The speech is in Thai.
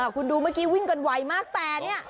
คุณดูเมื่อกี้วิ่งกันไวมากแต่เนี่ย